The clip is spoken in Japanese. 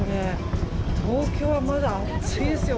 東京はまだ暑いですよ